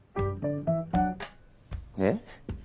えっ？